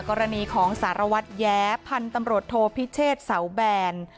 กรณีของสารวัตรแย้พันธุ์ตำรวจโทพิเชษเสาแบน